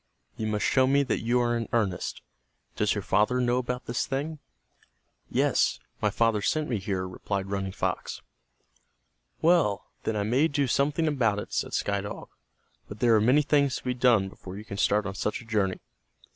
You must show me that you are in earnest. Does your father know about this thing!" "Yes, my father sent me here," replied Running Fox. "Well, then I may do something about it," said Sky Dog. "But there are many things to be done before you can start on such a journey."